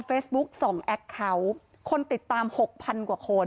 เฟซบุ้กสองแอคเขาคนติดตามหกพันกว่าคน